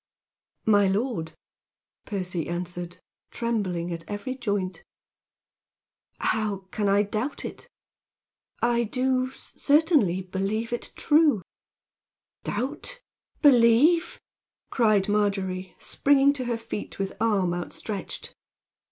"My lord," Percy answered, trembling at every joint, "how can I doubt it? I do certainly believe it true." "Doubt! Believe!" cried Margery, springing to her feet with arm outstretched.